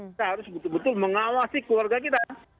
kita harus betul betul mengawasi keluarga kita